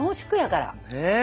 ねえ。